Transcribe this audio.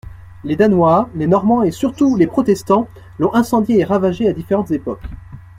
Les Danois, les Normands et surtout les Protestants l'ont incendiée et ravagée à différentes époques.